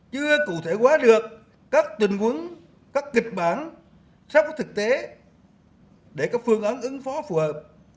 chưa cụ thể hóa được các tình huống các kịch bản sắp có thực tế để có phương án ứng phó phù hợp